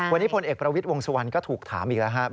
วันนี้พลเอกปรวิทร์วงสะวนก็ถูกถามอีกแล้ว